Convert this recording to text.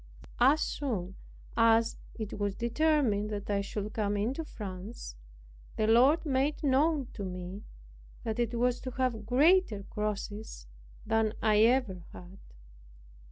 As soon as it was determined that I should come into France, the Lord made known to me, that it was to have greater crosses than I ever had.